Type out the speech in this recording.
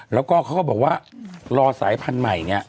แล้วก็เขาก็บอกว่ารอสายพันธุ์ใหม่เนี่ย